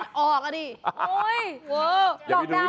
โอ้โฮแดงที่ว่าไข่ดาวหรอจ๊ะ